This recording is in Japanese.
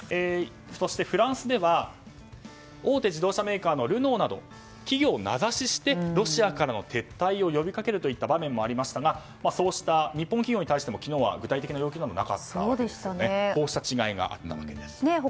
そして、フランスでは大手自動車メーカーのルノーなど企業を名指ししてロシアからの撤退を呼びかけるといった場面もありましたが日本企業に対しても昨日は具体的な要求などはなかったわけですね。